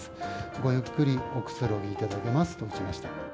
ごゆっくりおくつろぎいただけますと、打ちました。